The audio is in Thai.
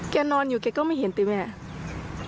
แกนอนอยู่แกก็ไม่เห็นติว่าไง